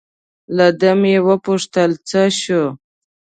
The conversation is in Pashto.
له ده مې و پوښتل: څه شو؟